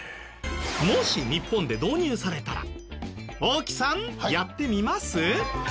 もし日本で導入されたら大木さんやってみます？